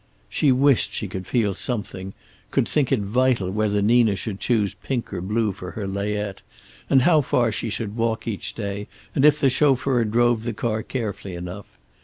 She wished she could feel something, could think it vital whether Nina should choose pink or blue for her layette, and how far she should walk each day, and if the chauffeur drove the car carefully enough.